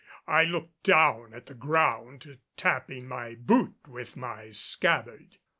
I looked down at the ground, tapping my boot with my scabbard.